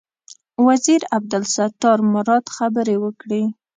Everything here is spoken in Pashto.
وزیر عبدالستار مراد خبرې وکړې.